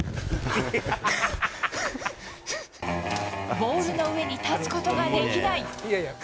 ボールの上に立つことができない。